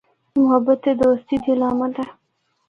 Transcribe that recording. اے محبت تے دوستی دی علامت ہے۔